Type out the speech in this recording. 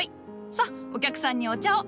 さお客さんにお茶を！